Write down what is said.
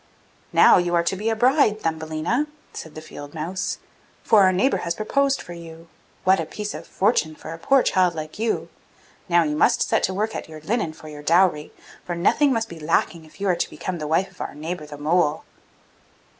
'Now you are to be a bride, Thumbelina!' said the field mouse, 'for our neighbour has proposed for you! What a piece of fortune for a poor child like you! Now you must set to work at your linen for your dowry, for nothing must be lacking if you are to become the wife of our neighbour, the mole!